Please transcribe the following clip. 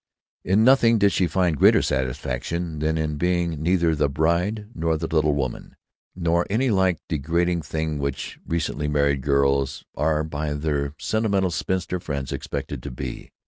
In nothing did she find greater satisfaction than in being neither "the bride" nor "the little woman" nor any like degrading thing which recently married girls are by their sentimental spinster friends expected to be.